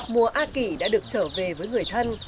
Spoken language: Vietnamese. mùa a kỷ đã được trở về với người thân